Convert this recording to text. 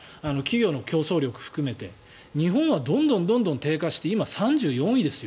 企業の競争力を含めて日本はどんどん低下して今、３４位ですよ。